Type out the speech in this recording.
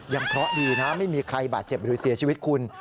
เคราะห์ดีนะไม่มีใครบาดเจ็บหรือเสียชีวิตคุณ